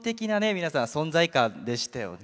皆さん存在感でしたよね。